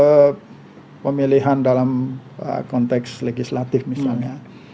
soal pemilihan dalam konteks legislatif misalnya